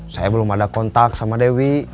saya belum ada kontak sama dewi